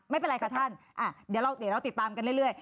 ไม่เป็นไรค่ะท่านอ่าเดี๋ยวเราเดี๋ยวเราติดตามกันเรื่อยเรื่อย